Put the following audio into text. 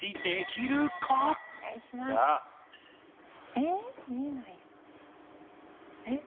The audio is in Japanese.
えっ見えないよ。